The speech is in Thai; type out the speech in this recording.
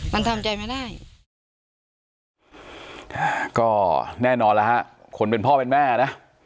มันทำใจไม่ได้ก็แน่นอนแล้วฮะคนเป็นพ่อเป็นแม่นะ